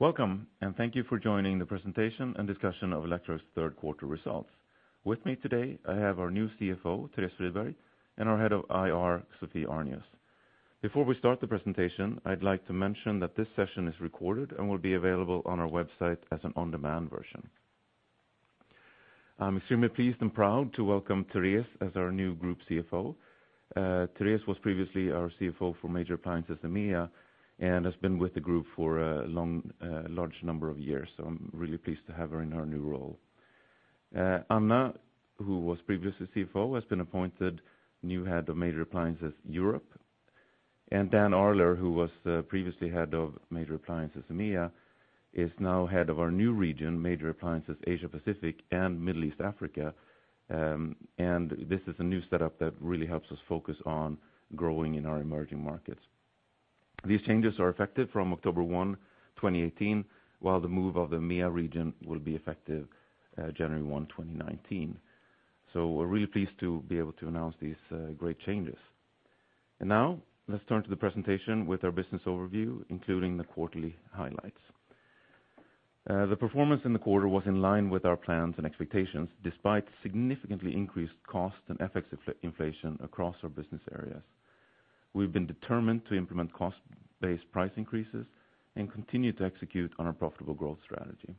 Welcome, and thank you for joining the presentation and discussion of Electrolux third quarter results. With me today, I have our new CFO, Therese Friberg, and our Head of IR, Sophie Arnius. Before we start the presentation, I would like to mention that this session is recorded and will be available on our website as an on-demand version. I am extremely pleased and proud to welcome Therese as our new Group CFO. Therese was previously our CFO for Major Appliances EMEA and has been with the Group for a large number of years. I am really pleased to have her in her new role. Anna, who was previously CFO, has been appointed new Head of Major Appliances Europe. Dan Arler, who was previously Head of Major Appliances EMEA, is now Head of our new region, Major Appliances Asia-Pacific, Middle East and Africa. This is a new setup that really helps us focus on growing in our emerging markets. These changes are effective from October 1, 2018, while the move of the EMEA region will be effective January 1, 2019. We are really pleased to be able to announce these great changes. Now let us turn to the presentation with our business overview, including the quarterly highlights. The performance in the quarter was in line with our plans and expectations, despite significantly increased costs and FX inflation across our business areas. We have been determined to implement cost-based price increases and continue to execute on our profitable growth strategy.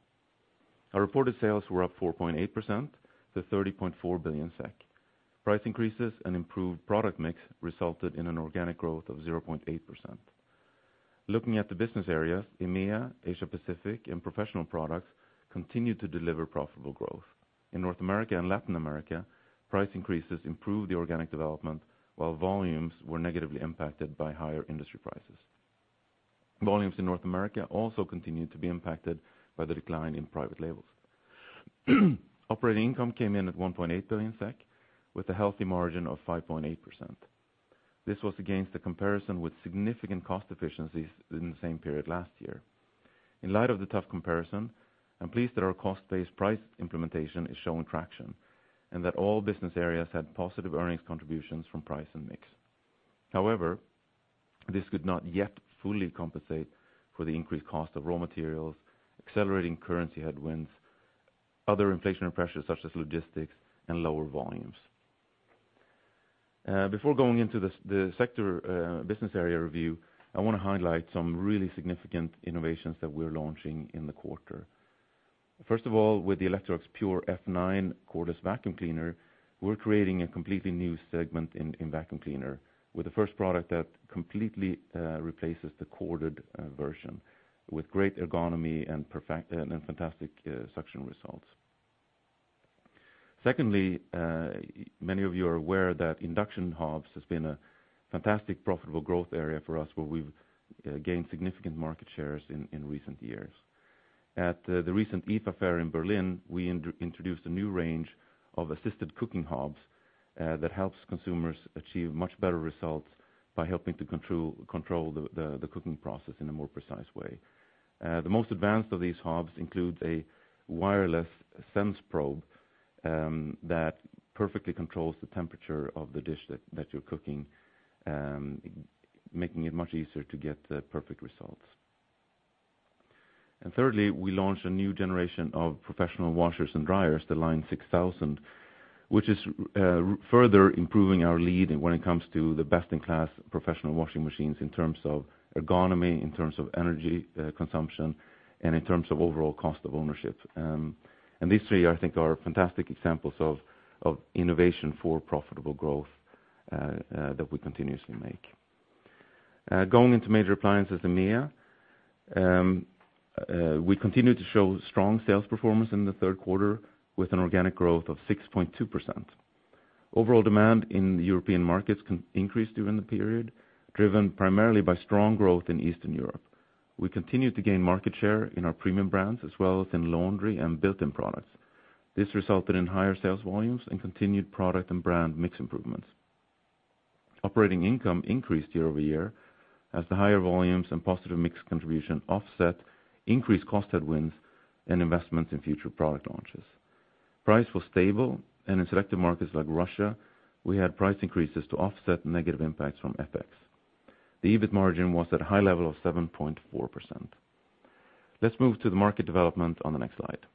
Our reported sales were up 4.8% to 30.4 billion SEK. Price increases and improved product mix resulted in an organic growth of 0.8%. Looking at the business areas, EMEA, Asia Pacific, and Professional Products continue to deliver profitable growth. In North America and Latin America, price increases improved the organic development, while volumes were negatively impacted by higher industry prices. Volumes in North America also continued to be impacted by the decline in private labels. Operating income came in at 1.8 billion SEK with a healthy margin of 5.8%. This was against the comparison with significant cost efficiencies in the same period last year. In light of the tough comparison, I am pleased that our cost-based price implementation is showing traction, and that all business areas had positive earnings contributions from price and mix. However, this could not yet fully compensate for the increased cost of raw materials, accelerating currency headwinds, other inflationary pressures such as logistics, and lower volumes. Before going into the sector business area review, I want to highlight some really significant innovations that we are launching in the quarter. First of all, with the Electrolux Pure F9 cordless vacuum cleaner, we are creating a completely new segment in vacuum cleaner with the first product that completely replaces the corded version with great ergonomy and fantastic suction results. Secondly, many of you are aware that induction hobs has been a fantastic profitable growth area for us, where we have gained significant market shares in recent years. At the recent IFA Fair in Berlin, we introduced a new range of assisted cooking hobs that helps consumers achieve much better results by helping to control the cooking process in a more precise way. The most advanced of these hobs include a wireless sense probe that perfectly controls the temperature of the dish that you are cooking, making it much easier to get perfect results. Thirdly, we launched a new generation of professional washers and dryers, the Line 6000, which is further improving our lead when it comes to the best-in-class professional washing machines in terms of ergonomy, in terms of energy consumption, and in terms of overall cost of ownership. These three, I think, are fantastic examples of innovation for profitable growth that we continuously make. Going into Major Appliances EMEA, we continued to show strong sales performance in the third quarter with an organic growth of 6.2%. Overall demand in the European markets increased during the period, driven primarily by strong growth in Eastern Europe. We continued to gain market share in our premium brands as well as in laundry and built-in products. This resulted in higher sales volumes and continued product and brand mix improvements. Operating income increased year-over-year as the higher volumes and positive mix contribution offset increased cost headwinds and investments in future product launches. Price was stable and in selective markets like Russia, we had price increases to offset negative impacts from FX. The EBIT margin was at a high level of 7.4%. Let's move to the market development on the next slide.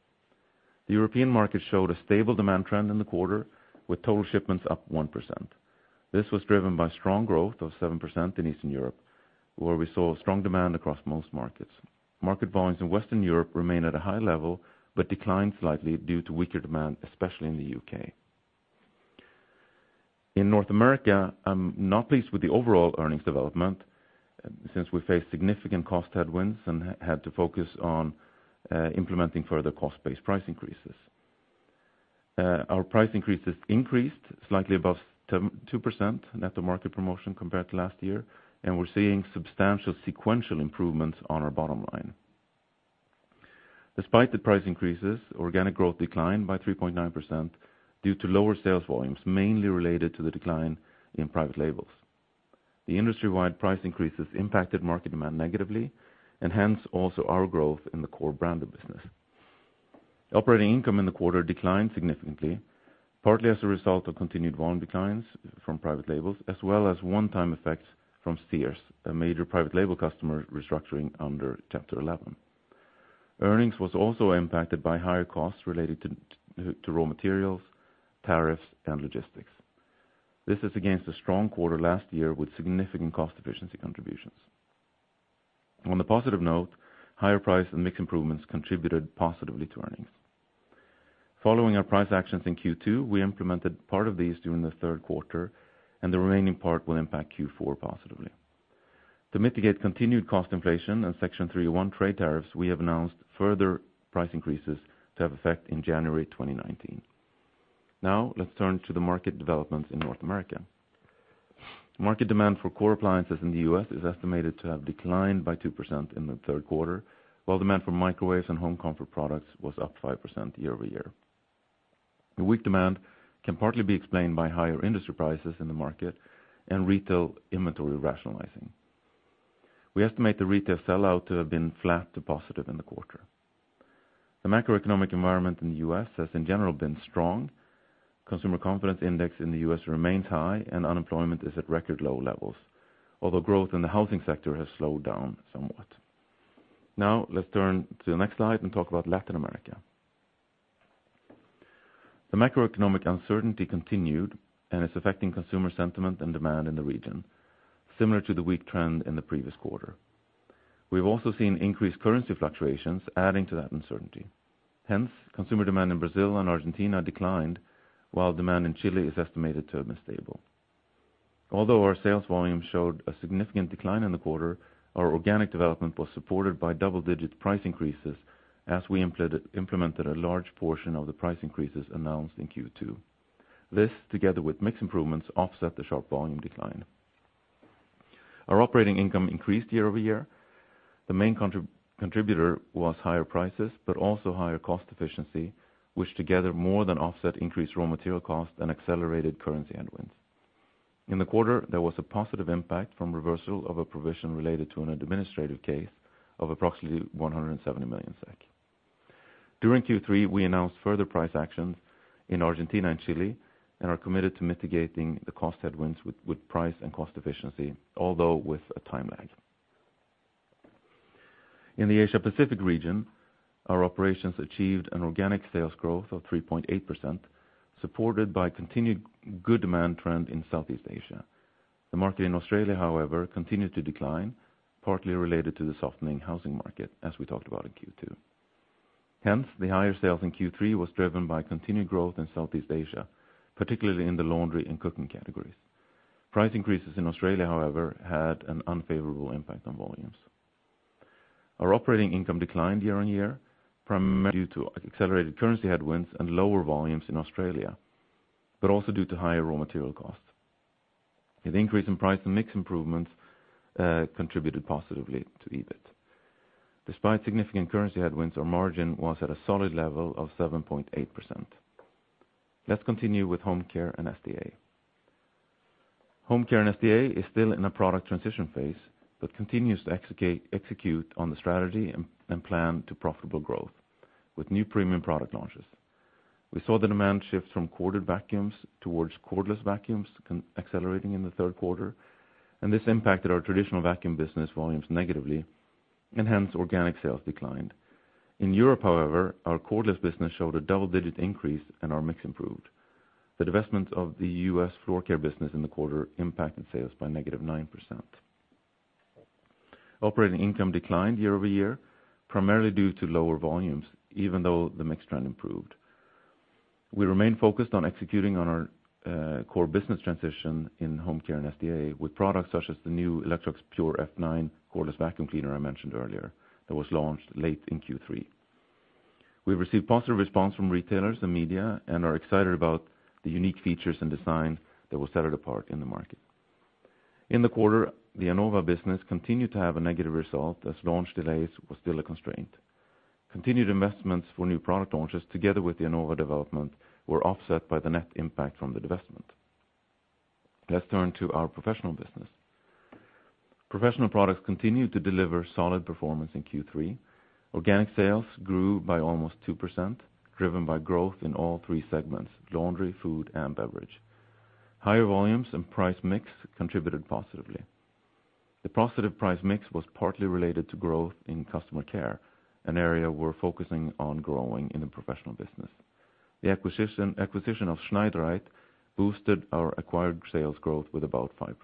The European market showed a stable demand trend in the quarter, with total shipments up 1%. This was driven by strong growth of 7% in Eastern Europe, where we saw strong demand across most markets. Market volumes in Western Europe remain at a high level, but declined slightly due to weaker demand, especially in the U.K. In North America, I'm not pleased with the overall earnings development since we faced significant cost headwinds and had to focus on implementing further cost-based price increases. Our price increases increased slightly above 2% net of market promotion compared to last year. We're seeing substantial sequential improvements on our bottom line. Despite the price increases, organic growth declined by 3.9% due to lower sales volumes, mainly related to the decline in private labels. The industry-wide price increases impacted market demand negatively and hence also our growth in the core brand of business. Operating income in the quarter declined significantly, partly as a result of continued volume declines from private labels, as well as one-time effects from Sears, a major private label customer restructuring under Chapter 11. Earnings was also impacted by higher costs related to raw materials, tariffs, and logistics. This is against a strong quarter last year with significant cost efficiency contributions. On the positive note, higher price and mix improvements contributed positively to earnings. Following our price actions in Q2, we implemented part of these during the third quarter, and the remaining part will impact Q4 positively. To mitigate continued cost inflation and Section 301 trade tariffs, we have announced further price increases to have effect in January 2019. Let's turn to the market developments in North America. Market demand for core appliances in the U.S. is estimated to have declined by 2% in the third quarter, while demand for microwaves and home comfort products was up 5% year-over-year. The weak demand can partly be explained by higher industry prices in the market and retail inventory rationalizing. We estimate the retail sell-out to have been flat to positive in the quarter. The macroeconomic environment in the U.S. has in general been strong. Consumer confidence index in the U.S. remains high, unemployment is at record low levels. Although growth in the housing sector has slowed down somewhat. Let's turn to the next slide and talk about Latin America. The macroeconomic uncertainty continued and is affecting consumer sentiment and demand in the region, similar to the weak trend in the previous quarter. We've also seen increased currency fluctuations adding to that uncertainty. Hence, consumer demand in Brazil and Argentina declined, while demand in Chile is estimated to have been stable. Although our sales volume showed a significant decline in the quarter, our organic development was supported by double-digit price increases as we implemented a large portion of the price increases announced in Q2. This, together with mix improvements, offset the sharp volume decline. Our operating income increased year-over-year. The main contributor was higher prices, but also higher cost efficiency, which together more than offset increased raw material cost and accelerated currency headwinds. In the quarter, there was a positive impact from reversal of a provision related to an administrative case of approximately 170 million SEK. During Q3, we announced further price actions in Argentina and Chile and are committed to mitigating the cost headwinds with price and cost efficiency, although with a time lag. In the Asia-Pacific region, our operations achieved an organic sales growth of 3.8%, supported by continued good demand trend in Southeast Asia. The market in Australia, however, continued to decline, partly related to the softening housing market, as we talked about in Q2. Hence, the higher sales in Q3 was driven by continued growth in Southeast Asia, particularly in the laundry and cooking categories. Price increases in Australia, however, had an unfavorable impact on volumes. Our operating income declined year-over-year, primarily due to accelerated currency headwinds and lower volumes in Australia, but also due to higher raw material costs. The increase in price and mix improvements contributed positively to EBIT. Despite significant currency headwinds, our margin was at a solid level of 7.8%. Let's continue with Home Care and SDA. Home Care and SDA is still in a product transition phase, but continues to execute on the strategy and plan to profitable growth with new premium product launches. We saw the demand shift from corded vacuums towards cordless vacuums accelerating in the third quarter, and this impacted our traditional vacuum business volumes negatively and hence organic sales declined. In Europe, however, our cordless business showed a double-digit increase and our mix improved. The divestment of the U.S. floor care business in the quarter impacted sales by negative 9%. Operating income declined year-over-year, primarily due to lower volumes, even though the mix trend improved. We remain focused on executing on our core business transition in Home Care and SDA with products such as the new Electrolux Pure F9 cordless vacuum cleaner I mentioned earlier, that was launched late in Q3. We've received positive response from retailers and media and are excited about the unique features and design that will set it apart in the market. In the quarter, the Anova business continued to have a negative result as launch delays were still a constraint. Continued investments for new product launches, together with the Anova development, were offset by the net impact from the divestment. Let's turn to our professional business. Professional Products continued to deliver solid performance in Q3. Organic sales grew by almost 2%, driven by growth in all 3 segments: laundry, food, and beverage. Higher volumes and price mix contributed positively. The positive price mix was partly related to growth in customer care, an area we are focusing on growing in the professional business. The acquisition of Schneidereit boosted our acquired sales growth with about 5%.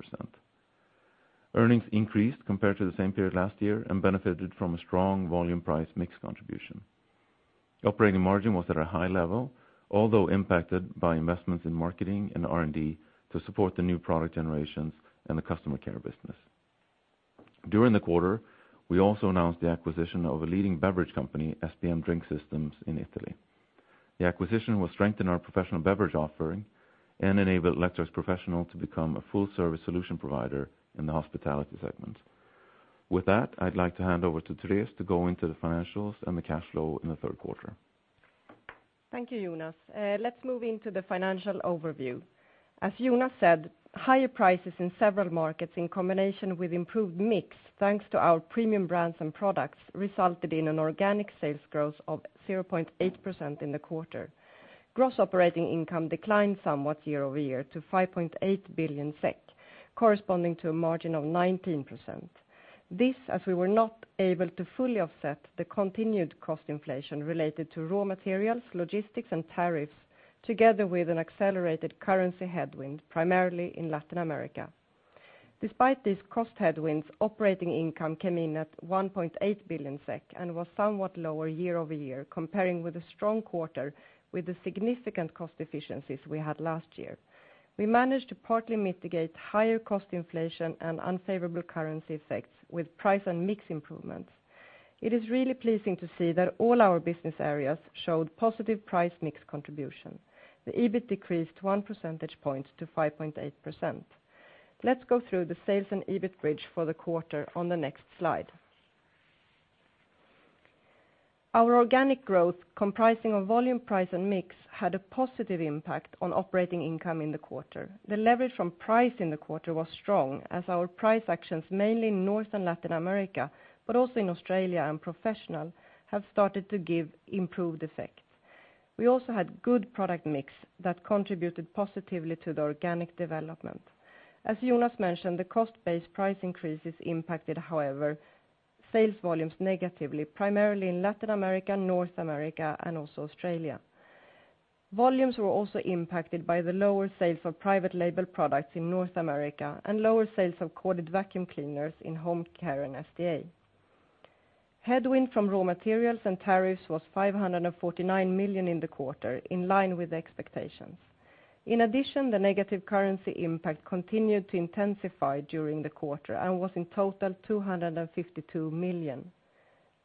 Earnings increased compared to the same period last year and benefited from a strong volume price mix contribution. Operating margin was at a high level, although impacted by investments in marketing and R&D to support the new product generations and the customer care business. During the quarter, we also announced the acquisition of a leading beverage company, SPM Drink Systems, in Italy. The acquisition will strengthen our professional beverage offering and enable Electrolux Professional to become a full-service solution provider in the hospitality segment. With that, I would like to hand over to Therese to go into the financials and the cash flow in the third quarter. Thank you, Jonas. Let us move into the financial overview. As Jonas said, higher prices in several markets in combination with improved mix, thanks to our premium brands and products, resulted in an organic sales growth of 0.8% in the quarter. Gross operating income declined somewhat year-over-year to 5.8 billion SEK, corresponding to a margin of 19%. This as we were not able to fully offset the continued cost inflation related to raw materials, logistics, and tariffs, together with an accelerated currency headwind, primarily in Latin America. Despite these cost headwinds, operating income came in at 1.8 billion SEK and was somewhat lower year-over-year, comparing with a strong quarter with the significant cost efficiencies we had last year. We managed to partly mitigate higher cost inflation and unfavorable currency effects with price and mix improvements. It is really pleasing to see that all our business areas showed positive price mix contribution. The EBIT decreased one percentage point to 5.8%. Let us go through the sales and EBIT bridge for the quarter on the next slide. Our organic growth, comprising of volume, price, and mix, had a positive impact on operating income in the quarter. The leverage from price in the quarter was strong as our price actions, mainly in North and Latin America, but also in Australia and Professional, have started to give improved effects. We also had good product mix that contributed positively to the organic development. As Jonas mentioned, the cost-based price increases impacted, however, sales volumes negatively, primarily in Latin America, North America, and also Australia. Volumes were also impacted by the lower sales of private label products in North America and lower sales of corded vacuum cleaners in Home Care and SDA. Headwind from raw materials and tariffs was 549 million in the quarter, in line with expectations. In addition, the negative currency impact continued to intensify during the quarter and was, in total, 252 million.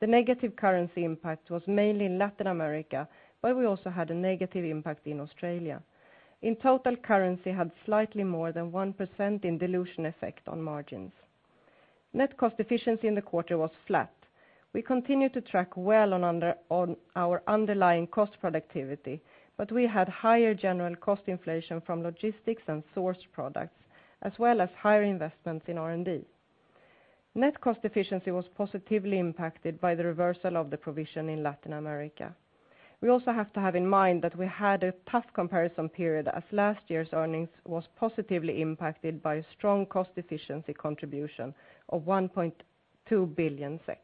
The negative currency impact was mainly in Latin America, but we also had a negative impact in Australia. In total, currency had slightly more than 1% in dilution effect on margins. Net cost efficiency in the quarter was flat. We continued to track well on our underlying cost productivity, but we had higher general cost inflation from logistics and sourced products, as well as higher investments in R&D. Net cost efficiency was positively impacted by the reversal of the provision in Latin America. We also have to have in mind that we had a tough comparison period as last year's earnings was positively impacted by a strong cost efficiency contribution of 1.2 billion SEK.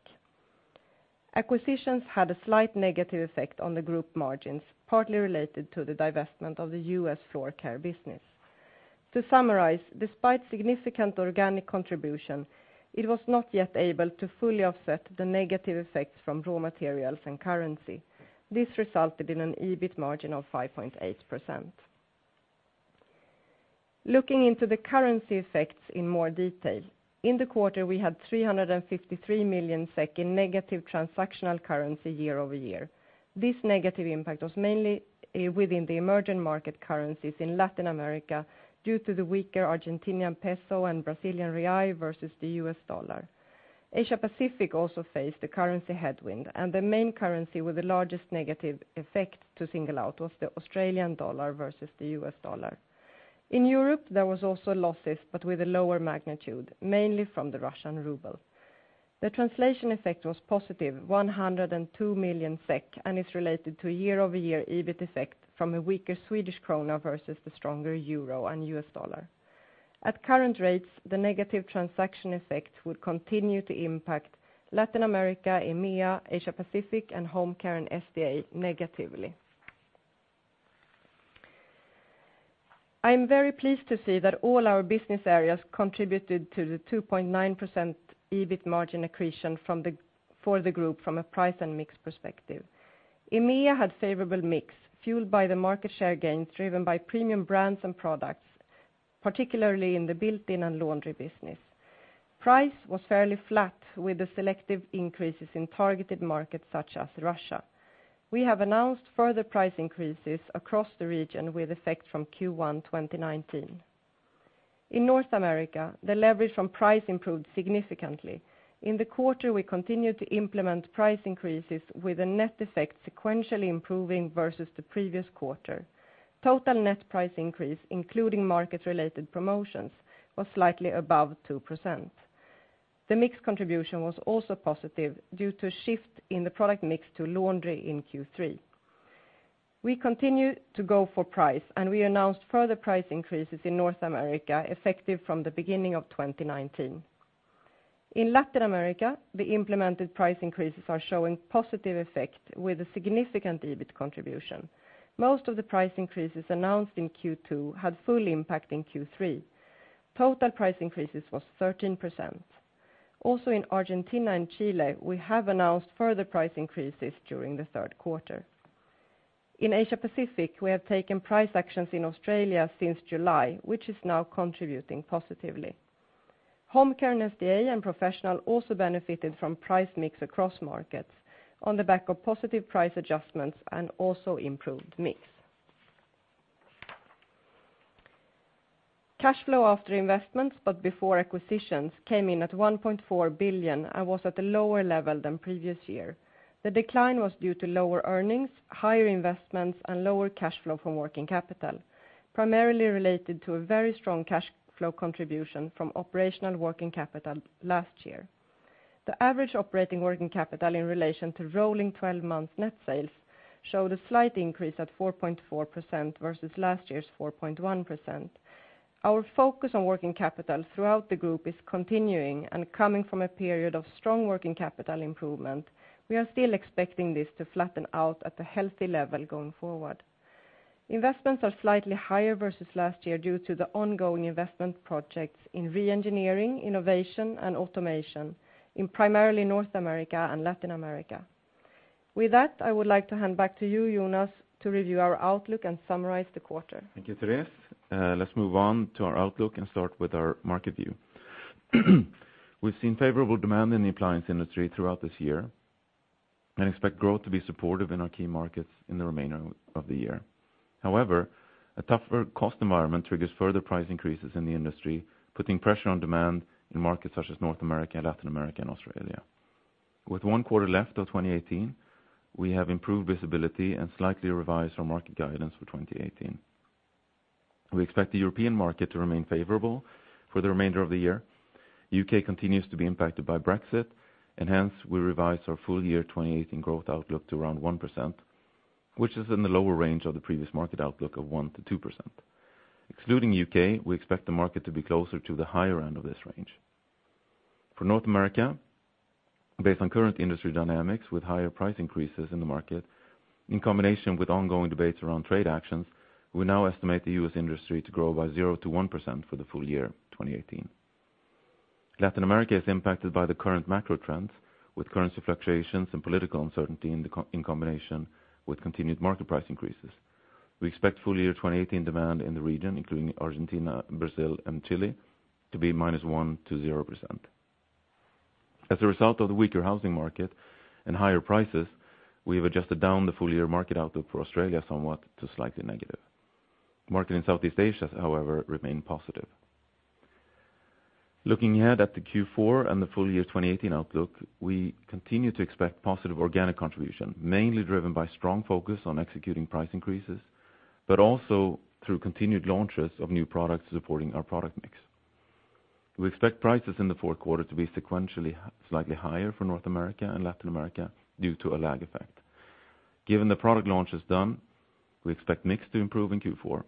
Acquisitions had a slight negative effect on the group margins, partly related to the divestment of the U.S. floor care business. To summarize, despite significant organic contribution, it was not yet able to fully offset the negative effects from raw materials and currency. This resulted in an EBIT margin of 5.8%. Looking into the currency effects in more detail. In the quarter, we had 353 million SEK in negative transactional currency year-over-year. This negative impact was mainly within the emerging market currencies in Latin America due to the weaker Argentinian peso and Brazilian real versus the U.S. dollar. Asia Pacific also faced a currency headwind, and the main currency with the largest negative effect to single out was the Australian dollar versus the U.S. dollar. In Europe, there was also losses, but with a lower magnitude, mainly from the Russian ruble. The translation effect was positive, 102 million SEK, and is related to a year-over-year EBIT effect from a weaker Swedish krona versus the stronger euro and U.S. dollar. At current rates, the negative transaction effect would continue to impact Latin America, EMEA, Asia Pacific, and Home Care and SDA negatively. I am very pleased to see that all our business areas contributed to the 2.9% EBIT margin accretion for the group from a price and mix perspective. EMEA had favorable mix fueled by the market share gains driven by premium brands and products, particularly in the built-in and laundry business. Price was fairly flat with the selective increases in targeted markets such as Russia. We have announced further price increases across the region with effect from Q1 2019. In North America, the leverage from price improved significantly. In the quarter, we continued to implement price increases with a net effect sequentially improving versus the previous quarter. Total net price increase, including market-related promotions, was slightly above 2%. The mix contribution was also positive due to a shift in the product mix to laundry in Q3. We continue to go for price, and we announced further price increases in North America effective from the beginning of 2019. In Latin America, the implemented price increases are showing positive effect with a significant EBIT contribution. Most of the price increases announced in Q2 had full impact in Q3. Total price increases was 13%. Also in Argentina and Chile, we have announced further price increases during the third quarter. In Asia Pacific, we have taken price actions in Australia since July, which is now contributing positively. Home Care and SDA and Professional also benefited from price mix across markets on the back of positive price adjustments and also improved mix. Cash flow after investments, but before acquisitions came in at 1.4 billion and was at a lower level than previous year. The decline was due to lower earnings, higher investments, and lower cash flow from working capital, primarily related to a very strong cash flow contribution from operational working capital last year. The average operating working capital in relation to rolling 12 months net sales showed a slight increase at 4.4% versus last year's 4.1%. Our focus on working capital throughout the group is continuing and coming from a period of strong working capital improvement. We are still expecting this to flatten out at a healthy level going forward. Investments are slightly higher versus last year due to the ongoing investment projects in re-engineering, innovation, and automation in primarily North America and Latin America. With that, I would like to hand back to you, Jonas, to review our outlook and summarize the quarter. Thank you, Therese. Let's move on to our outlook and start with our market view. We've seen favorable demand in the appliance industry throughout this year, and expect growth to be supportive in our key markets in the remainder of the year. However, a tougher cost environment triggers further price increases in the industry, putting pressure on demand in markets such as North America and Latin America, and Australia. With one quarter left of 2018, we have improved visibility and slightly revised our market guidance for 2018. We expect the European market to remain favorable for the remainder of the year. U.K. continues to be impacted by Brexit, and hence we revised our full year 2018 growth outlook to around 1%, which is in the lower range of the previous market outlook of 1%-2%. Excluding U.K., we expect the market to be closer to the higher end of this range. For North America, based on current industry dynamics with higher price increases in the market, in combination with ongoing debates around trade actions, we now estimate the U.S. industry to grow by 0%-1% for the full year 2018. Latin America is impacted by the current macro trends, with currency fluctuations and political uncertainty in combination with continued market price increases. We expect full year 2018 demand in the region, including Argentina, Brazil, and Chile, to be -1%-0%. As a result of the weaker housing market and higher prices, we have adjusted down the full-year market outlook for Australia somewhat to slightly negative. Market in Southeast Asia, however, remain positive. Looking ahead at the Q4 and the full-year 2018 outlook, we continue to expect positive organic contribution, mainly driven by strong focus on executing price increases, but also through continued launches of new products supporting our product mix. We expect prices in the fourth quarter to be sequentially slightly higher for North America and Latin America due to a lag effect. Given the product launch is done, we expect mix to improve in Q4.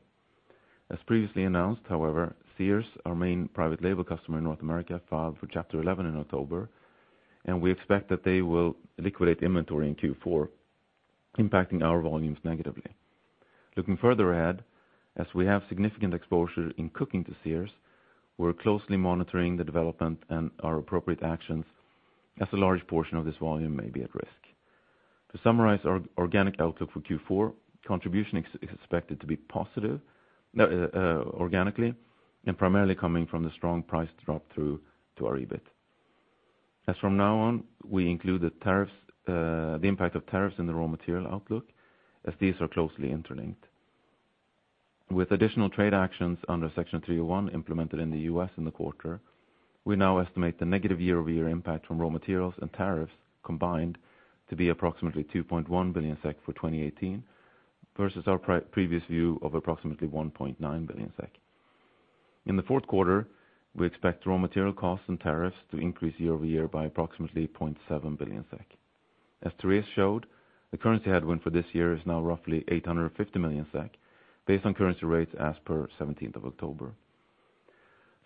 As previously announced, however, Sears, our main private label customer in North America, filed for Chapter 11 in October, and we expect that they will liquidate inventory in Q4, impacting our volumes negatively. Looking further ahead, as we have significant exposure in cooking to Sears, we're closely monitoring the development and our appropriate actions as a large portion of this volume may be at risk. To summarize our organic outlook for Q4, contribution is expected to be positive organically and primarily coming from the strong price drop through to our EBIT. From now on, we include the impact of tariffs in the raw material outlook, as these are closely interlinked. With additional trade actions under Section 301 implemented in the U.S. in the quarter, we now estimate the negative year-over-year impact from raw materials and tariffs combined to be approximately 2.1 billion SEK for 2018 versus our previous view of approximately 1.9 billion SEK. In the fourth quarter, we expect raw material costs and tariffs to increase year-over-year by approximately 0.7 billion SEK. As Therese showed, the currency headwind for this year is now roughly 850 million SEK based on currency rates as per 17th of October.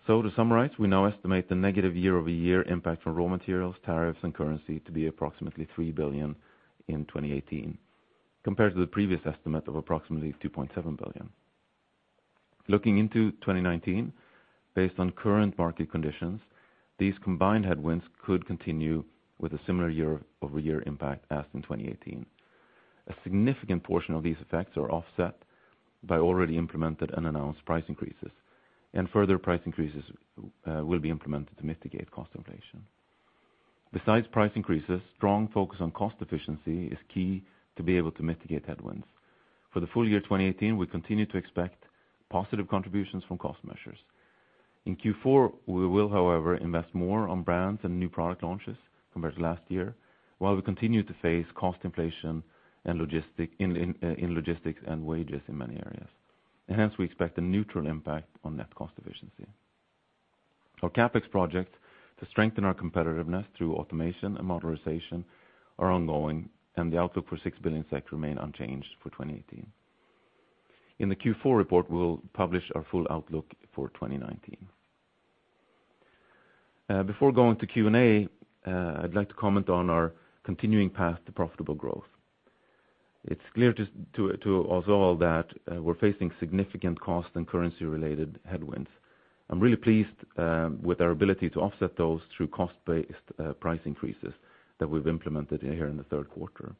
To summarize, we now estimate the negative year-over-year impact from raw materials, tariffs, and currency to be approximately 3 billion in 2018, compared to the previous estimate of approximately 2.7 billion. Looking into 2019, based on current market conditions, these combined headwinds could continue with a similar year-over-year impact as in 2018. A significant portion of these effects are offset by already implemented and announced price increases, and further price increases will be implemented to mitigate cost inflation. Besides price increases, strong focus on cost efficiency is key to be able to mitigate headwinds. For the full year 2018, we continue to expect positive contributions from cost measures. In Q4, we will, however, invest more on brands and new product launches compared to last year, while we continue to face cost inflation in logistics and wages in many areas. Hence, we expect a neutral impact on net cost efficiency. Our CapEx projects to strengthen our competitiveness through automation and modernization are ongoing, and the outlook for 6 billion SEK remain unchanged for 2018. In the Q4 report, we will publish our full outlook for 2019. Before going to Q&A, I'd like to comment on our continuing path to profitable growth. It's clear to us all that we're facing significant cost and currency-related headwinds. I'm really pleased with our ability to offset those through cost-based price increases that we've implemented here in the third quarter.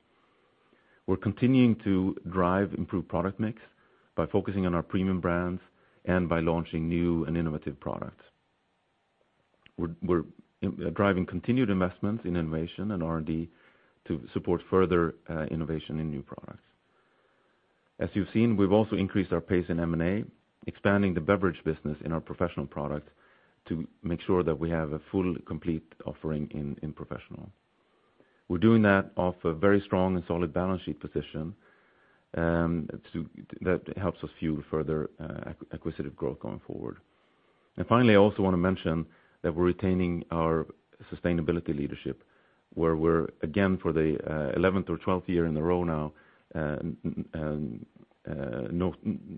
We're continuing to drive improved product mix by focusing on our premium brands and by launching new and innovative products. We're driving continued investments in innovation and R&D to support further innovation in new products. As you've seen, we've also increased our pace in M&A, expanding the beverage business in our Professional Products to make sure that we have a full, complete offering in professional. We're doing that off a very strong and solid balance sheet position, that helps us fuel further acquisitive growth going forward. Finally, I also want to mention that we're retaining our sustainability leadership, where we're again, for the 11th or 12th year in a row now,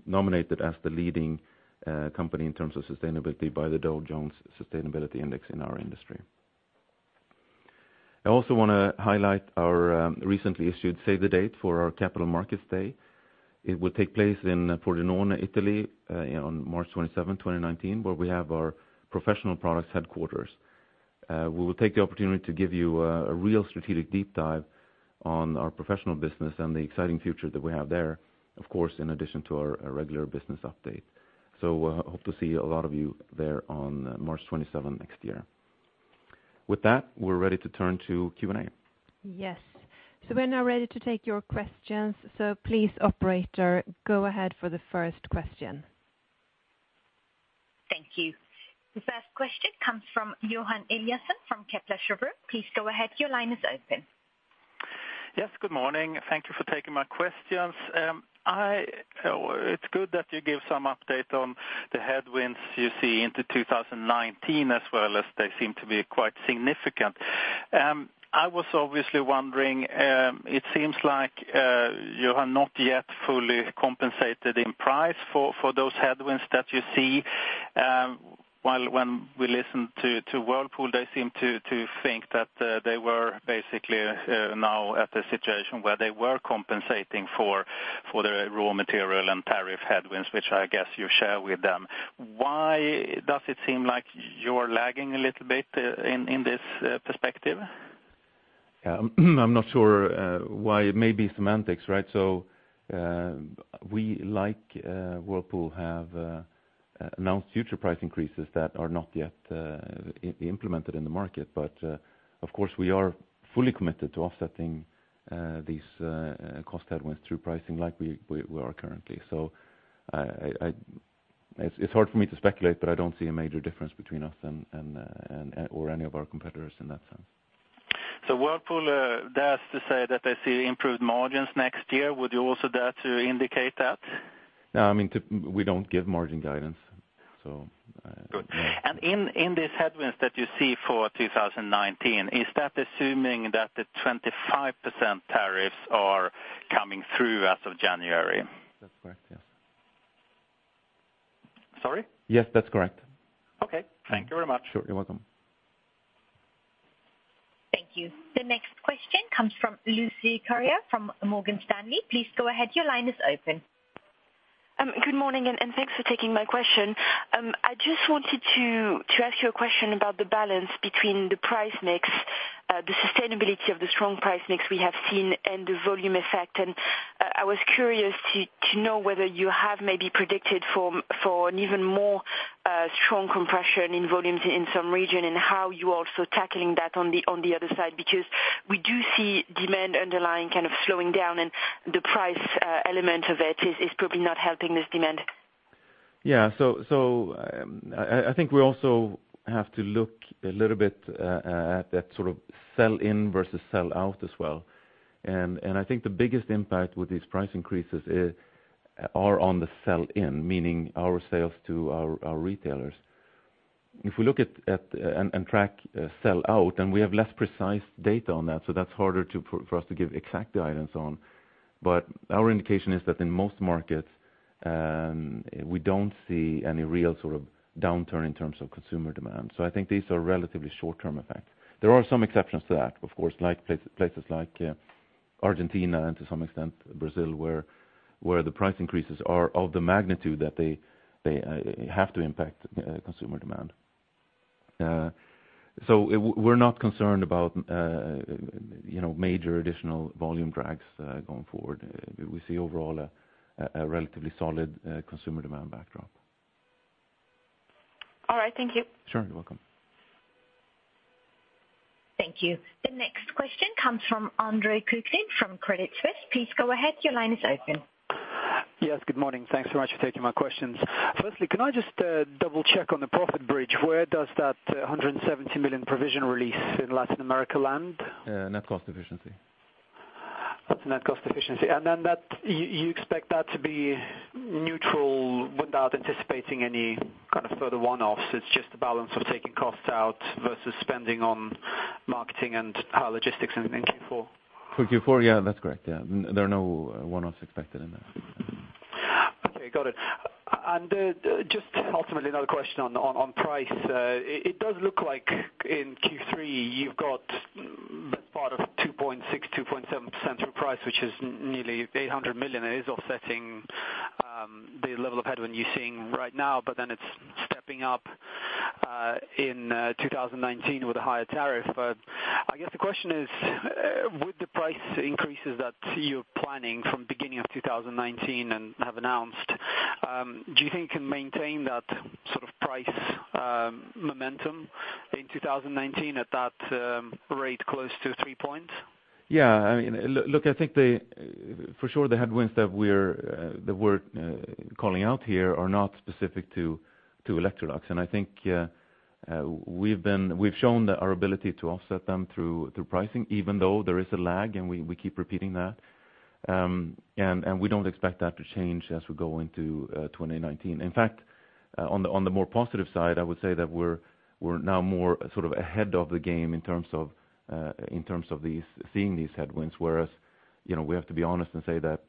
nominated as the leading company in terms of sustainability by the Dow Jones Sustainability Index in our industry. I also want to highlight our recently issued save the date for our Capital Markets Day. It will take place in Pordenone, Italy, on March 27th, 2019, where we have our Professional Products headquarters. We will take the opportunity to give you a real strategic deep dive on our professional business and the exciting future that we have there, of course, in addition to our regular business update. Hope to see a lot of you there on March 27 next year. With that, we're ready to turn to Q&A. Yes. We're now ready to take your questions. Please, operator, go ahead for the first question. Thank you. The first question comes from Johan Eliason from Kepler Cheuvreux. Please go ahead. Your line is open. Yes, good morning. Thank you for taking my questions. It's good that you give some update on the headwinds you see into 2019 as well as they seem to be quite significant. I was obviously wondering, it seems like you are not yet fully compensated in price for those headwinds that you see. While when we listen to Whirlpool, they seem to think that they were basically now at the situation where they were compensating for the raw material and tariff headwinds, which I guess you share with them. Why does it seem like you're lagging a little bit in this perspective? Yeah. I'm not sure why. It may be semantics, right? We, like Whirlpool, have announced future price increases that are not yet implemented in the market. Of course, we are fully committed to offsetting these cost headwinds through pricing like we are currently. It's hard for me to speculate, but I don't see a major difference between us or any of our competitors in that sense. Whirlpool dares to say that they see improved margins next year. Would you also dare to indicate that? No, we don't give margin guidance. Good. In these headwinds that you see for 2019, is that assuming that the 25% tariffs are coming through as of January? That's correct, yes. Sorry? Yes, that's correct. Okay. Thank you very much. Sure. You're welcome. Thank you. The next question comes from Lucie Carrier from Morgan Stanley. Please go ahead. Your line is open. Good morning, thanks for taking my question. I just wanted to ask you a question about the balance between the price mix, the sustainability of the strong price mix we have seen, and the volume effect. I was curious to know whether you have maybe predicted for an even more strong compression in volumes in some region, and how you are also tackling that on the other side. We do see demand underlying kind of slowing down, and the price element of it is probably not helping this demand. I think we also have to look a little bit at that sell in versus sell out as well. I think the biggest impact with these price increases are on the sell in, meaning our sales to our retailers. If we look at and track sell out, and we have less precise data on that, so that's harder for us to give exact guidance on, but our indication is that in most markets, we don't see any real sort of downturn in terms of consumer demand. I think these are relatively short-term effects. There are some exceptions to that, of course, places like Argentina and to some extent Brazil, where the price increases are of the magnitude that they have to impact consumer demand. We're not concerned about major additional volume drags going forward. We see overall a relatively solid consumer demand backdrop. All right. Thank you. Sure. You're welcome. Thank you. The next question comes from Andrej Kuklin from Credit Suisse. Please go ahead. Your line is open. Yes, good morning. Thanks very much for taking my questions. Firstly, can I just double check on the profit bridge? Where does that 170 million provision release in Latin America land? Net cost efficiency. Net cost efficiency. Then you expect that to be neutral without anticipating any kind of further one-offs. It's just the balance of taking costs out versus spending on marketing and logistics in Q4. For Q4, yeah, that's correct. Yeah. There are no one-offs expected in that. Okay, got it. Just ultimately another question on price. It does look like in Q3, you've got part of 2.6%-2.7% through price, which is nearly 800 million. It is offsetting the level of headwind you're seeing right now, but then it's stepping up in 2019 with a higher tariff. I guess the question is, with the price increases that you're planning from beginning of 2019 and have announced, do you think you can maintain that sort of price momentum in 2019 at that rate close to three points? Yeah. Look, I think for sure the headwinds that we're calling out here are not specific to Electrolux. I think we've shown our ability to offset them through pricing, even though there is a lag, and we keep repeating that. We don't expect that to change as we go into 2019. In fact, on the more positive side, I would say that we're now more sort of ahead of the game in terms of seeing these headwinds. Whereas, we have to be honest and say that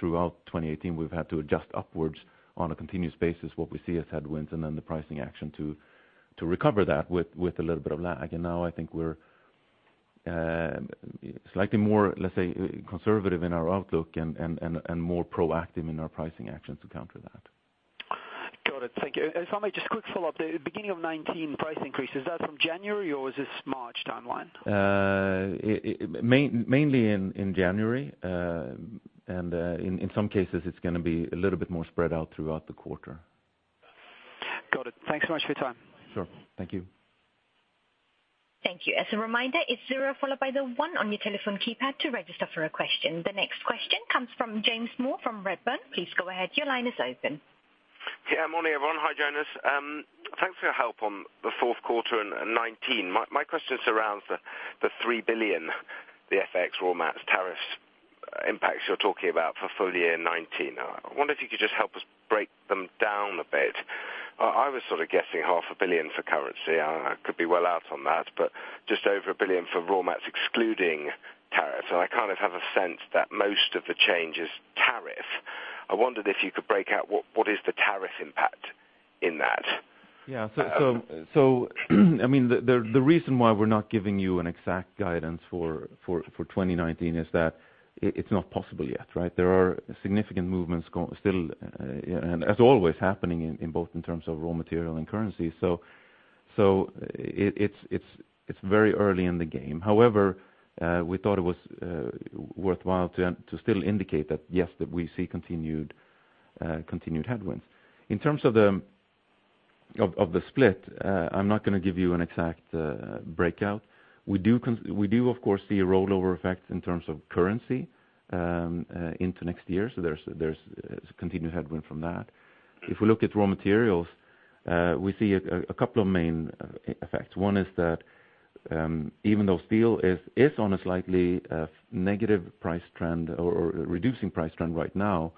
throughout 2018, we've had to adjust upwards on a continuous basis what we see as headwinds and then the pricing action to recover that with a little bit of lag. Now I think we're slightly more, let's say, conservative in our outlook and more proactive in our pricing action to counter that. Got it. Thank you. If I may, just a quick follow-up. The beginning of 2019 price increase, is that from January or is this March timeline? Mainly in January. In some cases, it's going to be a little bit more spread out throughout the quarter. Got it. Thanks so much for your time. Sure. Thank you. Thank you. As a reminder, it's zero followed by the one on your telephone keypad to register for a question. The next question comes from James Moore from Redburn. Please go ahead. Your line is open. Yeah. Morning, everyone. Hi, Jonas. Thanks for your help on the fourth quarter and 2019. My question surrounds the 3 billion, the FX raw mats tariffs impacts you're talking about for full year 2019. I wonder if you could just help us break them down a bit. I was sort of guessing half a billion SEK for currency. I could be well out on that, but just over 1 billion for raw mats excluding tariffs. I kind of have a sense that most of the change is tariff. I wondered if you could break out what is the tariff impact in that? Yeah. The reason why we're not giving you an exact guidance for 2019 is that it's not possible yet, right? There are significant movements still, as always, happening in both in terms of raw material and currency. It's very early in the game. However, we thought it was worthwhile to still indicate that, yes, that we see continued headwinds. In terms of the split, I'm not going to give you an exact breakout. We do of course see a rollover effect in terms of currency into next year. There's continued headwind from that. If we look at raw materials, we see a couple of main effects. One is that even though steel is on a slightly negative price trend or reducing price trend right now,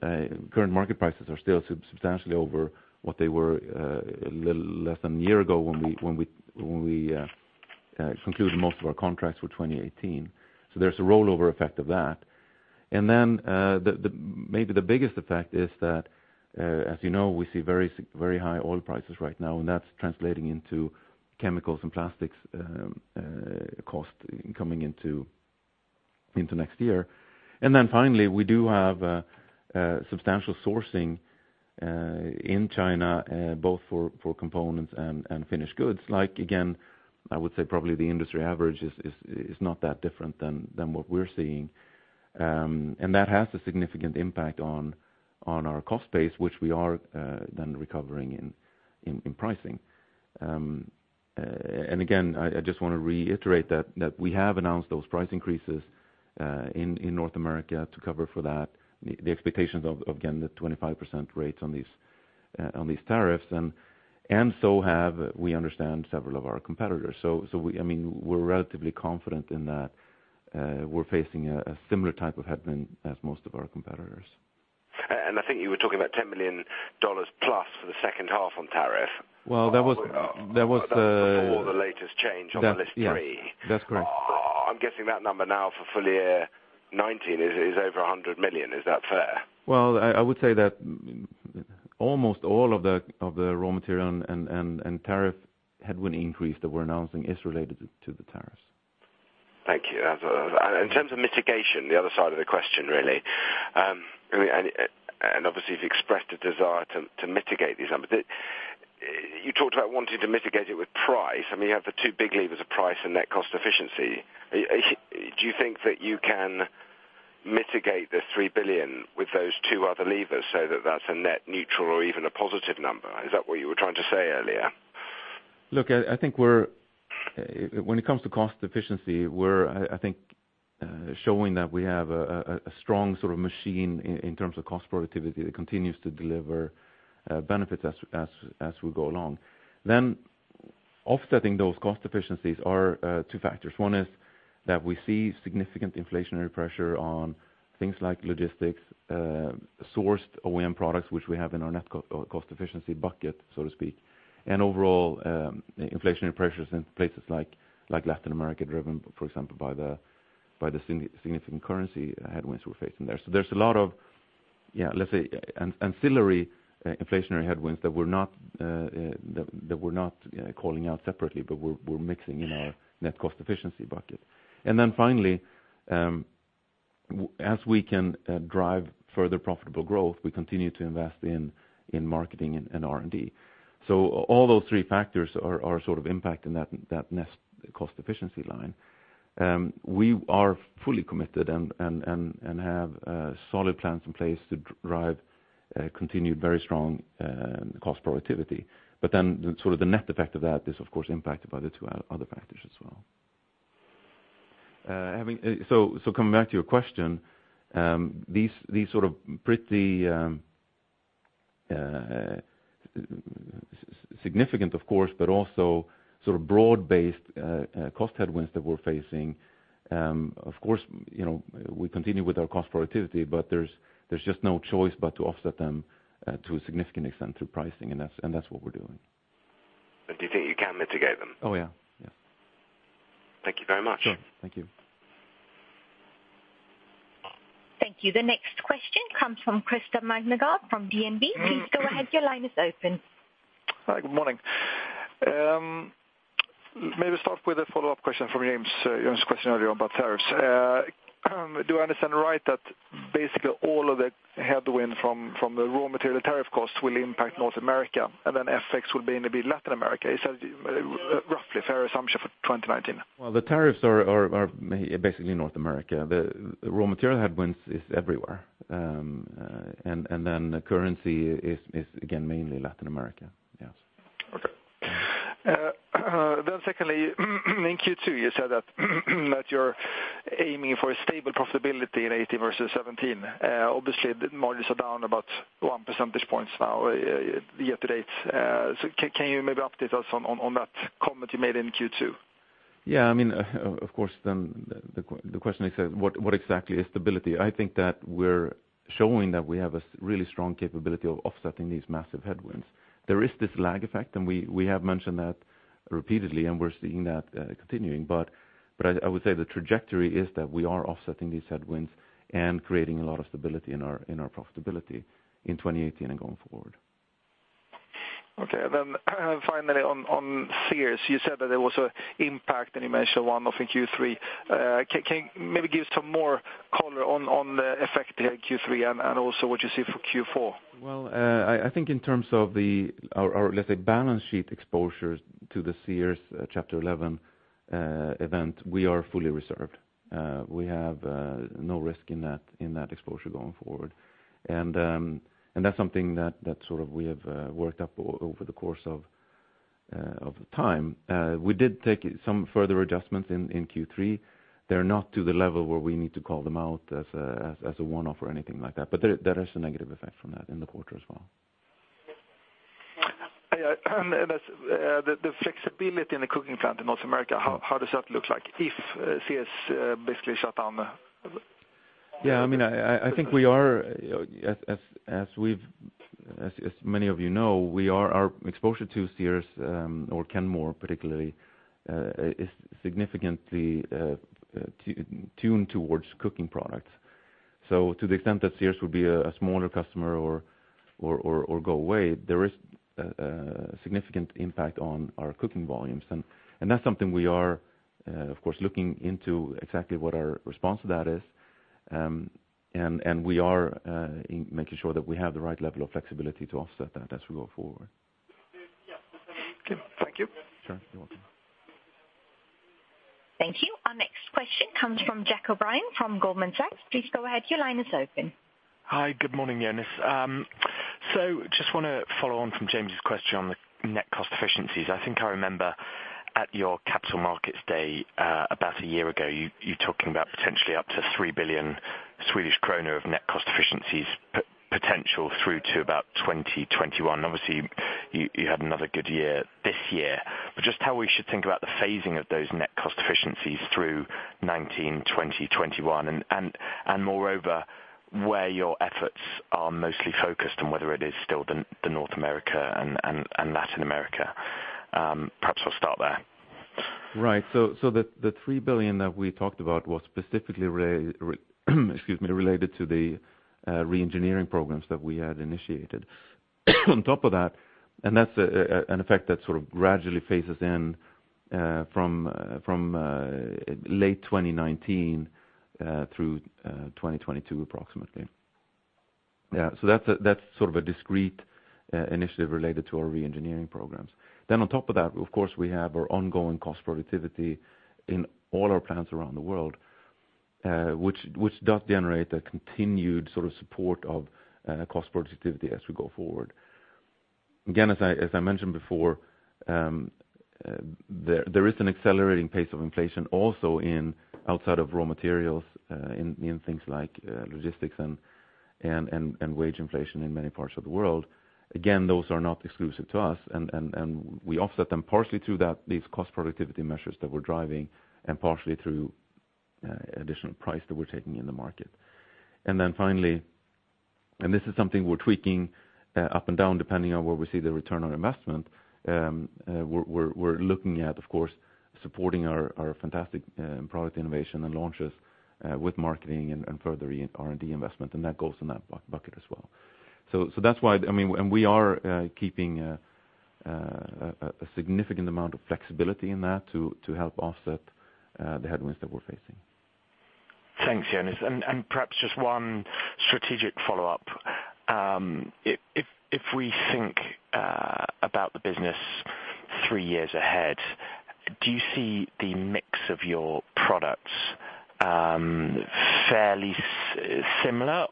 current market prices are still substantially over what they were a little less than a year ago when we concluded most of our contracts for 2018. There's a rollover effect of that. Maybe the biggest effect is that, as you know, we see very high oil prices right now, and that's translating into chemicals and plastics cost coming into next year. Finally, we do have substantial sourcing in China, both for components and finished goods. Again, I would say probably the industry average is not that different than what we're seeing. That has a significant impact on our cost base, which we are then recovering in pricing. Again, I just want to reiterate that we have announced those price increases in North America to cover for that, the expectations of, again, the 25% rates on these tariffs. So have, we understand, several of our competitors. We're relatively confident in that we're facing a similar type of headwind as most of our competitors. I think you were talking about SEK 10 million plus for the second half on tariff. Well, that was. That was before the latest change on the list 3. Yeah. That's correct. I'm guessing that number now for full year 2019 is over 100 million. Is that fair? Well, I would say that almost all of the raw material and tariff headwind increase that we're announcing is related to the tariffs. Thank you. In terms of mitigation, the other side of the question, really. Obviously, you've expressed a desire to mitigate these numbers. You talked about wanting to mitigate it with price. You have the two big levers of price and net cost efficiency. Do you think that you can mitigate the 3 billion with those two other levers so that that's a net neutral or even a positive number? Is that what you were trying to say earlier? I think when it comes to cost efficiency, we're, I think, showing that we have a strong sort of machine in terms of cost productivity that continues to deliver benefits as we go along. Offsetting those cost efficiencies are two factors. One is that we see significant inflationary pressure on things like logistics, sourced OEM products, which we have in our net cost efficiency bucket, so to speak. Overall inflationary pressures in places like Latin America, driven, for example, by the significant currency headwinds we're facing there. There's a lot of, let's say, ancillary inflationary headwinds that we're not calling out separately, but we're mixing in our net cost efficiency bucket. Finally, as we can drive further profitable growth, we continue to invest in marketing and R&D. All those three factors are impacting that net cost efficiency line. We are fully committed and have solid plans in place to drive continued very strong cost productivity. The net effect of that is, of course, impacted by the two other factors as well. Coming back to your question, these pretty significant, of course, but also broad-based cost headwinds that we're facing, of course, we continue with our cost productivity, but there's just no choice but to offset them to a significant extent through pricing, and that's what we're doing. Do you think you can mitigate them? Oh, yeah. Thank you very much. Sure. Thank you. Thank you. The next question comes from Christer Magnergård from DNB. Please go ahead. Your line is open. Hi. Good morning. Maybe start with a follow-up question from James, Jonas' question earlier about tariffs. Do I understand right that basically all of the headwind from the raw material tariff costs will impact North America, and then FX will be maybe Latin America? Is that a roughly fair assumption for 2019? Well, the tariffs are basically North America. The raw material headwinds is everywhere. The currency is again, mainly Latin America. Yes. Okay. Secondly, in Q2 you said that you're aiming for a stable profitability in 2018 versus 2017. Obviously, the margins are down about one percentage point now year-to-date. Can you maybe update us on that comment you made in Q2? Yeah. Of course, the question is, what exactly is stability? I think that we're showing that we have a really strong capability of offsetting these massive headwinds. There is this lag effect, and we have mentioned that repeatedly, and we're seeing that continuing. I would say the trajectory is that we are offsetting these headwinds and creating a lot of stability in our profitability in 2018 and going forward. Okay. Finally, on Sears, you said that there was an impact, and you mentioned one off in Q3. Can you maybe give some more color on the effect they had Q3 and also what you see for Q4? Well, I think in terms of our, let's say, balance sheet exposures to the Sears Chapter 11 event, we are fully reserved. We have no risk in that exposure going forward. That's something that we have worked up over the course of time. We did take some further adjustments in Q3. They're not to the level where we need to call them out as a one-off or anything like that. There is a negative effect from that in the quarter as well. The flexibility in the cooking plant in North America, how does that look like if Sears basically shut down? Yeah, I think as many of you know, our exposure to Sears, or Kenmore particularly, is significantly tuned towards cooking products. To the extent that Sears would be a smaller customer or go away, there is a significant impact on our cooking volumes. That's something we are, of course, looking into exactly what our response to that is. We are making sure that we have the right level of flexibility to offset that as we go forward. Okay. Thank you. Sure. You're welcome. Thank you. Our next question comes from Jack O'Brien from Goldman Sachs. Please go ahead. Your line is open. Hi. Good morning, Jonas. Just want to follow on from James's question on the net cost efficiencies. I think I remember at your Capital Markets Day about a year ago, you talking about potentially up to 3 billion Swedish kronor of net cost efficiencies potential through to about 2021. Obviously, you had another good year this year. Just how we should think about the phasing of those net cost efficiencies through 2019, 2020, 2021, and moreover, where your efforts are mostly focused on whether it is still the North America and Latin America. Perhaps we'll start there. Right. The 3 billion that we talked about was specifically excuse me, related to the re-engineering programs that we had initiated. On top of that, and that's an effect that gradually phases in from late 2019 through 2022, approximately. That's a discrete initiative related to our re-engineering programs. On top of that, of course, we have our ongoing cost productivity in all our plants around the world, which does generate a continued support of cost productivity as we go forward. As I mentioned before, there is an accelerating pace of inflation also in outside of raw materials, in things like logistics and wage inflation in many parts of the world. Those are not exclusive to us, and we offset them partially through these cost productivity measures that we're driving, and partially through additional price that we're taking in the market. Finally, this is something we're tweaking up and down, depending on where we see the return on investment, we're looking at, of course, supporting our fantastic product innovation and launches with marketing and further R&D investment, that goes in that bucket as well. We are keeping a significant amount of flexibility in that to help offset the headwinds that we're facing. Thanks, Jonas. Perhaps just one strategic follow-up. If we think about the business three years ahead, do you see the mix of your products fairly similar?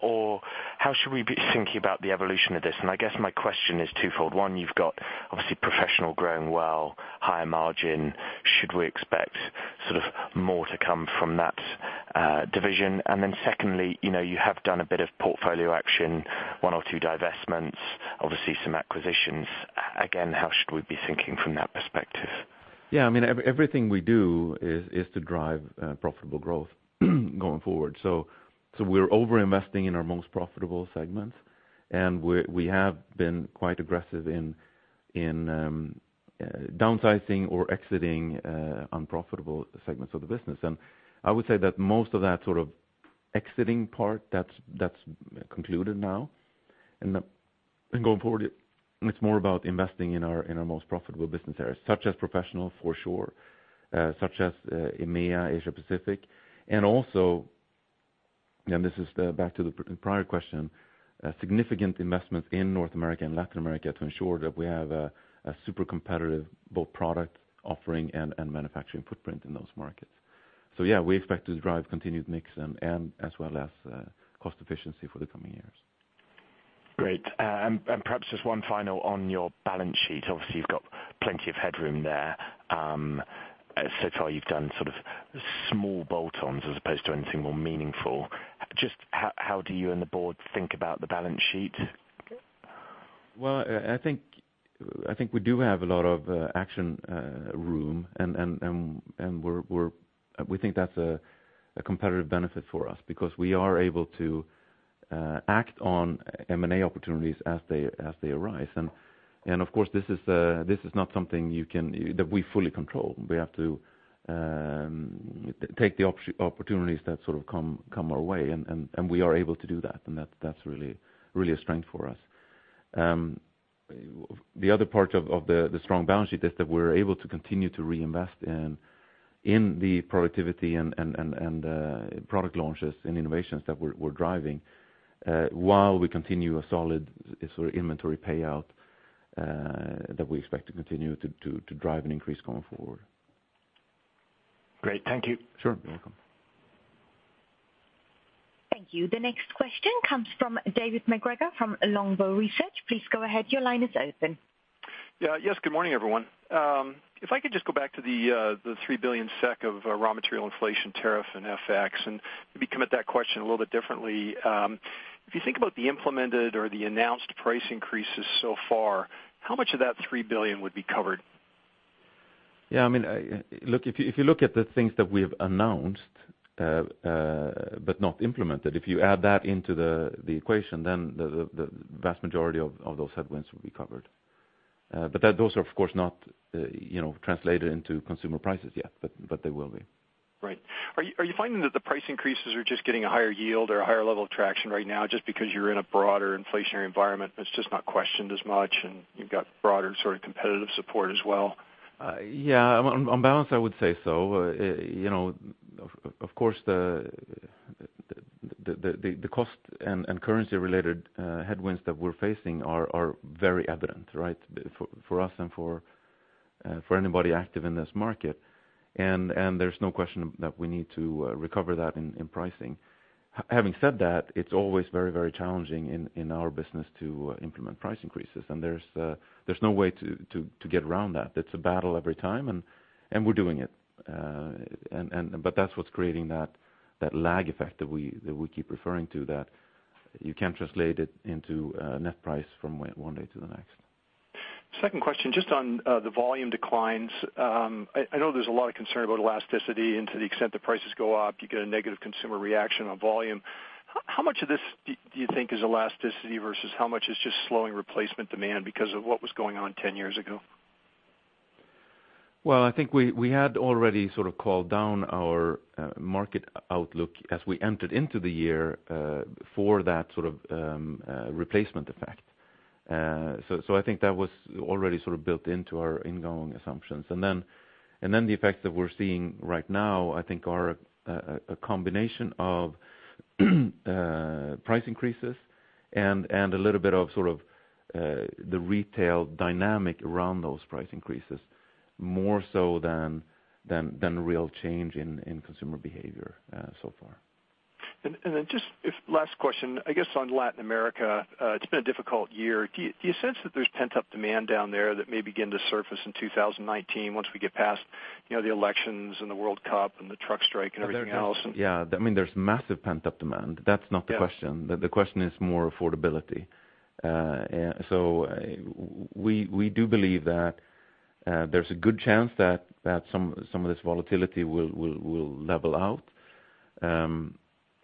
How should we be thinking about the evolution of this? I guess my question is twofold. One, you've got, obviously, Professional growing well, higher margin. Should we expect more to come from that division? Secondly, you have done a bit of portfolio action, one or two divestments, obviously, some acquisitions. Again, how should we be thinking from that perspective? Yeah, everything we do is to drive profitable growth going forward. We're over-investing in our most profitable segments, we have been quite aggressive in downsizing or exiting unprofitable segments of the business. I would say that most of that exiting part, that's concluded now, going forward, it's more about investing in our most profitable business areas, such as Professional, for sure, such as EMEA, Asia Pacific, also, this is back to the prior question, significant investments in North America and Latin America to ensure that we have a super competitive both product offering and manufacturing footprint in those markets. Yeah, we expect to drive continued mix and as well as cost efficiency for the coming years. Great. Perhaps just one final on your balance sheet. Obviously, you've got plenty of headroom there. Far, you've done small bolt-ons as opposed to anything more meaningful. Just how do you and the board think about the balance sheet? I think we do have a lot of action room, and we think that's a competitive benefit for us because we are able to act on M&A opportunities as they arise. Of course, this is not something that we fully control. We have to take the opportunities that come our way, and we are able to do that, and that's really a strength for us. The other part of the strong balance sheet is that we're able to continue to reinvest in the productivity and product launches and innovations that we're driving while we continue a solid inventory payout that we expect to continue to drive and increase going forward. Great. Thank you. Sure. You're welcome. Thank you. The next question comes from David MacGregor from Longbow Research. Please go ahead. Your line is open. Yes. Good morning, everyone. If I could just go back to the 3 billion SEK of raw material inflation tariff and FX, and maybe come at that question a little bit differently. If you think about the implemented or the announced price increases so far, how much of that 3 billion would be covered? Yeah, if you look at the things that we have announced but not implemented, if you add that into the equation, the vast majority of those headwinds will be covered. Those are, of course, not translated into consumer prices yet, but they will be. Right. Are you finding that the price increases are just getting a higher yield or a higher level of traction right now just because you're in a broader inflationary environment that's just not questioned as much, and you've got broader competitive support as well? Yeah. On balance, I would say so. Of course, the cost and currency-related headwinds that we're facing are very evident, for us and for anybody active in this market. There's no question that we need to recover that in pricing. Having said that, it's always very challenging in our business to implement price increases, there's no way to get around that. It's a battle every time, we're doing it. That's what's creating that lag effect that we keep referring to, that you can't translate it into net price from one day to the next. Second question, just on the volume declines. I know there is a lot of concern about elasticity, and to the extent that prices go up, you get a negative consumer reaction on volume. How much of this do you think is elasticity versus how much is just slowing replacement demand because of what was going on 10 years ago? I think we had already called down our market outlook as we entered into the year for that replacement effect. I think that was already built into our ingoing assumptions. The effects that we are seeing right now, I think, are a combination of price increases and a little bit of the retail dynamic around those price increases, more so than real change in consumer behavior so far. Just last question, I guess, on Latin America. It has been a difficult year. Do you sense that there is pent-up demand down there that may begin to surface in 2019 once we get past the elections and the World Cup and the truck strike and everything else? Yeah. There is massive pent-up demand. That is not the question. The question is more affordability. We do believe that there is a good chance that some of this volatility will level out,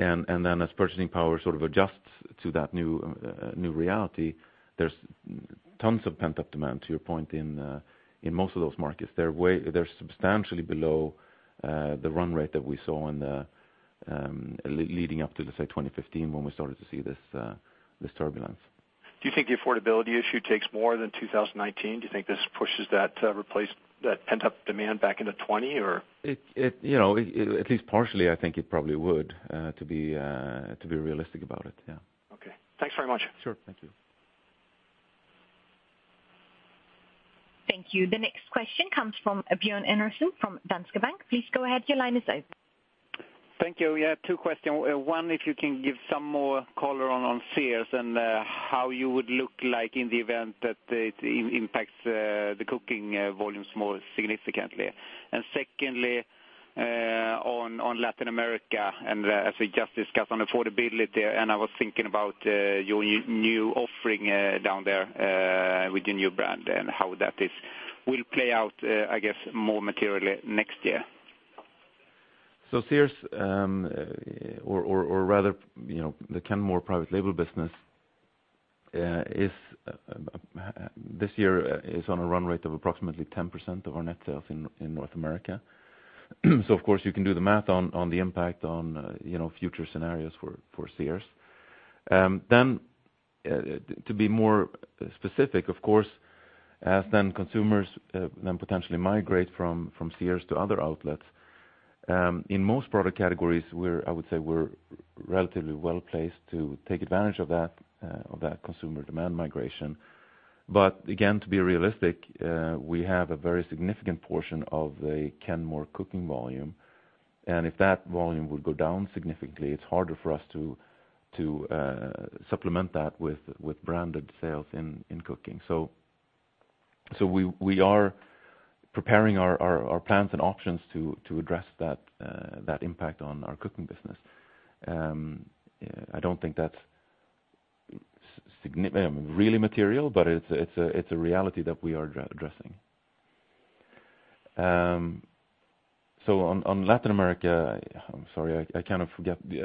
and as purchasing power adjusts to that new reality, there is tons of pent-up demand, to your point, in most of those markets. They are substantially below the run rate that we saw in the leading up to, let us say, 2015 when we started to see this turbulence. Do you think the affordability issue takes more than 2019? Do you think this pushes that pent-up demand back into 2020? At least partially, I think it probably would, to be realistic about it. Yeah. Okay. Thanks very much. Sure. Thank you. Thank you. The next question comes from Björn Andersson from Danske Bank. Please go ahead. Your line is open. Thank you. Yeah, two question. One, if you can give some more color on Sears and how you would look like in the event that it impacts the cooking volumes more significantly. Secondly, on Latin America, as we just discussed on affordability, I was thinking about your new offering down there with your new brand and how that will play out, I guess, more materially next year. Sears, or rather, the Kenmore private label business, this year is on a run rate of approximately 10% of our net sales in North America. Of course, you can do the math on the impact on future scenarios for Sears. To be more specific, of course, as then consumers then potentially migrate from Sears to other outlets. In most product categories, I would say we're relatively well-placed to take advantage of that consumer demand migration. Again, to be realistic, we have a very significant portion of the Kenmore cooking volume, and if that volume would go down significantly, it's harder for us to supplement that with branded sales in cooking. We are preparing our plans and options to address that impact on our cooking business. I don't think that's really material, but it's a reality that we are addressing. On Latin America, I'm sorry. I kind of forgot the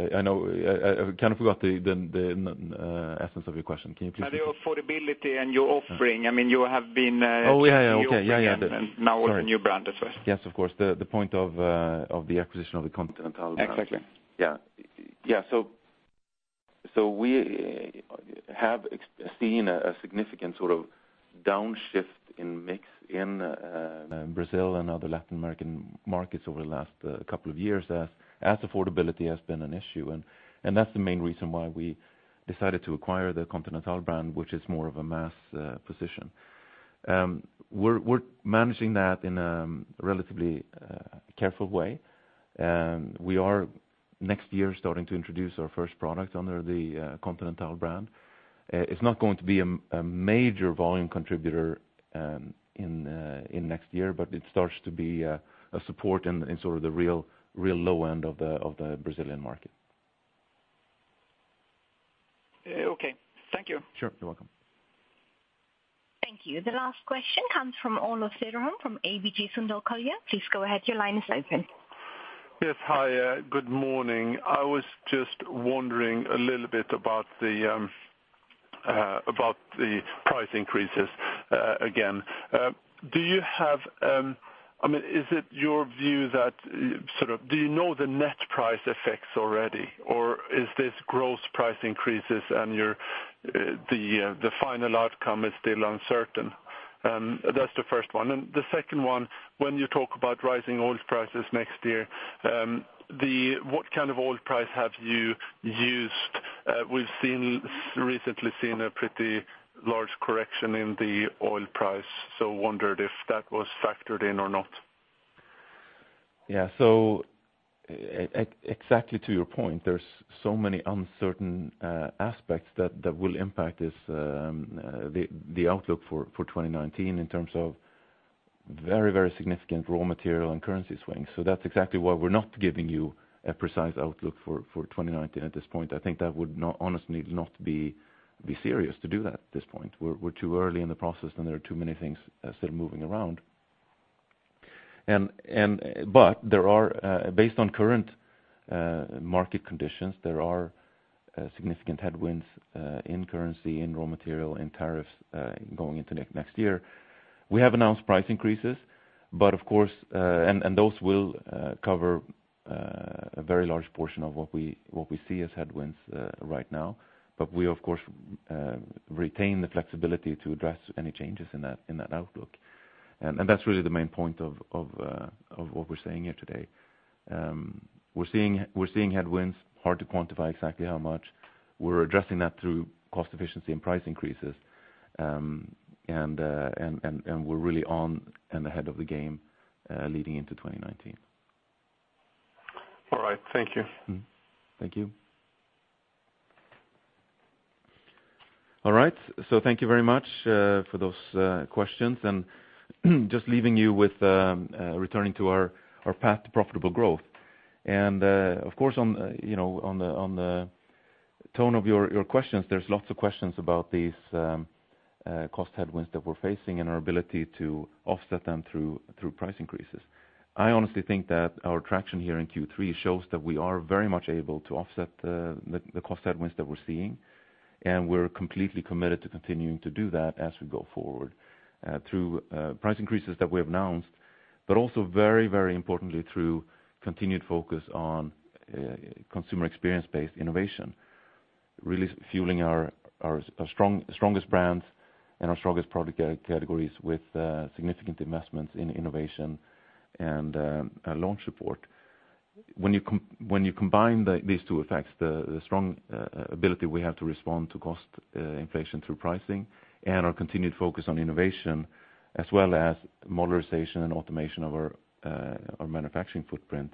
essence of your question. Can you please- The affordability and your offering. Oh, yeah. Okay. Yeah Now with a new brand as well. Yes, of course. The point of the acquisition of the Continental brand. Exactly. We have seen a significant sort of downshift in mix in Brazil and other Latin American markets over the last couple of years as affordability has been an issue, and that's the main reason why we decided to acquire the Continental brand, which is more of a mass position. We're managing that in a relatively careful way. We are, next year, starting to introduce our first product under the Continental brand. It's not going to be a major volume contributor in next year, but it starts to be a support in sort of the real low end of the Brazilian market. Thank you. Sure. You're welcome. Thank you. The last question comes from Ola Söderholm from ABG Sundal Collier. Please go ahead. Your line is open. Yes. Hi, good morning. I was just wondering a little bit about the price increases again. Is it your view that do you know the net price effects already, or is this gross price increases and the final outcome is still uncertain? That's the first one. The second one, when you talk about rising oil prices next year, what kind of oil price have you used? We've recently seen a pretty large correction in the oil price, wondered if that was factored in or not. Yeah. Exactly to your point, there's so many uncertain aspects that will impact the outlook for 2019 in terms of very, very significant raw material and currency swings. That's exactly why we're not giving you a precise outlook for 2019 at this point. I think that would honestly not be serious to do that at this point. We're too early in the process, there are too many things still moving around. Based on current market conditions, there are significant headwinds in currency, in raw material, in tariffs going into next year. We have announced price increases, those will cover a very large portion of what we see as headwinds right now. We, of course, retain the flexibility to address any changes in that outlook. That's really the main point of what we're saying here today. We're seeing headwinds, hard to quantify exactly how much. We're addressing that through cost efficiency and price increases, we're really on and ahead of the game leading into 2019. All right. Thank you. Thank you. All right. Thank you very much for those questions. Just leaving you with returning to our path to profitable growth. Of course, on the tone of your questions, there's lots of questions about these cost headwinds that we're facing and our ability to offset them through price increases. I honestly think that our traction here in Q3 shows that we are very much able to offset the cost headwinds that we're seeing, and we're completely committed to continuing to do that as we go forward through price increases that we have announced, but also very importantly, through continued focus on consumer experience-based innovation, really fueling our strongest brands and our strongest product categories with significant investments in innovation and launch support. When you combine these two effects, the strong ability we have to respond to cost inflation through pricing and our continued focus on innovation as well as modularization and automation of our manufacturing footprint,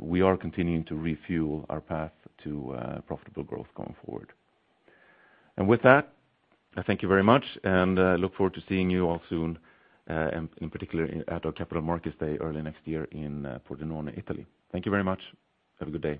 we are continuing to refuel our path to profitable growth going forward. With that, I thank you very much, and I look forward to seeing you all soon, and in particular at our Capital Markets Day early next year in Pordenone, Italy. Thank you very much. Have a good day.